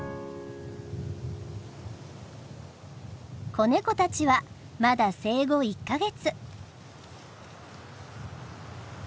子ネコたちはまだ生後１か月。